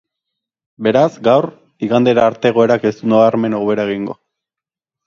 Beraz, gaur, igandera arte egoerak ez du nabarmen hobera egingo.